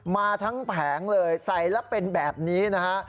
มาทั้งแผงเลยใส่แล้วเป็นแบบนี้นะฮะ